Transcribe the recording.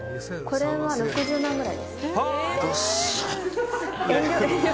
これは６０万ぐらいです。